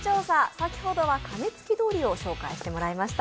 先ほどは鐘つき通りを紹介してもらいました。